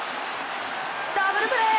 ダブルプレー！